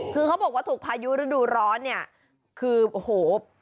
คือเขาบอกว่าถูกพายุฤดูร้อนเนี่ยคือโอ้โห